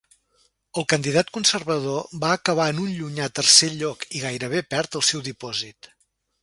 El candidat conservador va acabar en un llunyà tercer lloc, i gairebé perd el seu dipòsit.